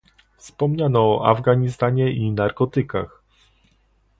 Wspomniano o Afganistanie i narkotykach